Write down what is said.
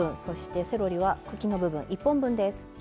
そしてセロリは茎の部分１本分です。